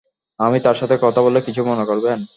আমি তার সাথে কথা বললে কিছু মনে করবেন?